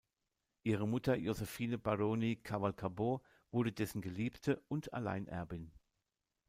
Ihre Mutter Josephine Baroni-Cavalcabò wurde dessen Geliebte und Alleinerbin.